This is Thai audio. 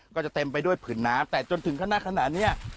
ก็จะเต็มไปด้วยผืนน้ำแต่จนถึงขนาดเนี้ย